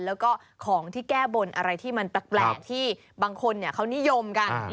แล้วก็ของที่แก้บนอะไรที่มันแปลกที่บางคนเขานิยมกัน